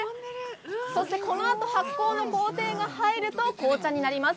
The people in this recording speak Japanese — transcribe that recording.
そしてこのあと発酵の工程が入ると紅茶になります。